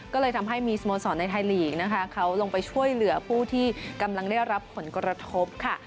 ก็เลยทำให้มีสโมสรในไทยลีกนะคะเขาลงไปช่วยเหลือผู้ที่กำลังได้รับผลกระทบค่ะ